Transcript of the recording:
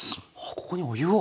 ここにお湯を？